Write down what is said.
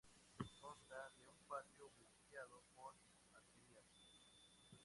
Consta de un patio flanqueado por arquerías.